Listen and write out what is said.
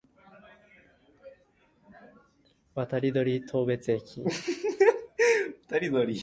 渡島当別駅